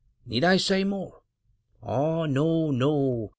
Need I say more? Ah, no, no!